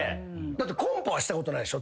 コンパはしたことないでしょ？